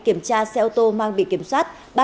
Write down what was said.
kiểm tra xe ô tô mang bị kiểm soát